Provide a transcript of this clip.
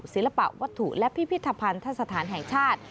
ศิลปะวัตถุและพิพิธภัณฑสถานแห่งชาติ